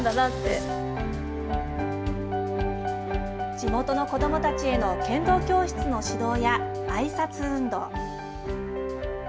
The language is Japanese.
地元の子どもたちへの剣道教室の指導やあいさつ運動。